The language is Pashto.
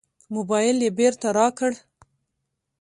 موبایل یې بېرته راکړ.